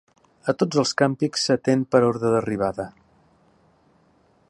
A tots els càmpings s"atén per ordre d"arribada.